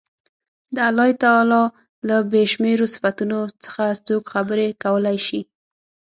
د الله تعالی له بې شمېرو صفتونو څخه څوک خبرې کولای شي.